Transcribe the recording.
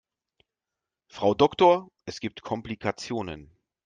Frau Doktor, es gibt Komplikationen.